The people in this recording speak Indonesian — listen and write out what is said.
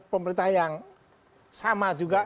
pemerintah yang sama juga